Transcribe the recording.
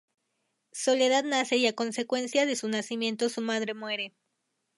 Soledad nace y a consecuencia de su nacimiento su madre muere.